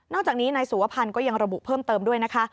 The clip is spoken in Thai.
จากนี้นายสุวพันธ์ก็ยังระบุเพิ่มเติมด้วยนะคะ